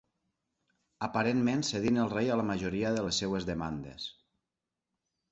Aparentment cedint el rei a la majoria de les seves demandes.